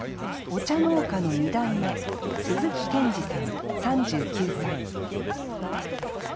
お茶農家の２代目鈴木健二さん３９歳。